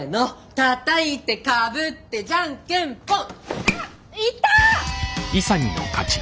たたいてかぶってじゃんけんぽん！